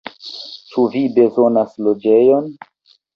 Ĉu vi bezonas loĝejon?